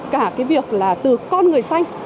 cả cái việc là từ con người xanh